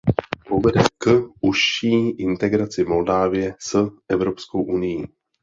Povede k užší integraci Moldávie s Evropskou unií.